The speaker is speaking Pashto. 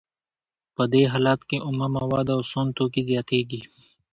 په دې حالت کې اومه مواد او سون توکي زیاتېږي